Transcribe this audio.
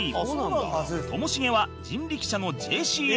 ともしげは人力舎の ＪＣＡ